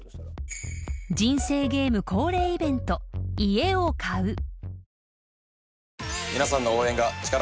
［人生ゲーム恒例イベント家を買う］わ！